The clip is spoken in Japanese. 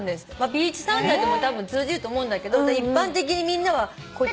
ビーチサンダルでもたぶん通じると思うんだけど一般的にみんなはこっちを。